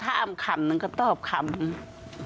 ถ้าไม่ทราบก็ไม่ค่อยพูดถ้าไม่ทราบก็ไม่ค่อยพูด